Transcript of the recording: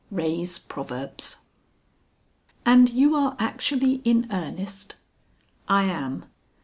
RAY'S PROVERBS. "And you are actually in earnest?" "I am."